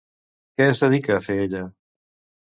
Què es dedica a fer ella?